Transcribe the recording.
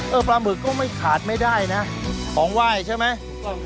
ปลาหมึกก็ไม่ขาดไม่ได้นะของไหว้ใช่ไหม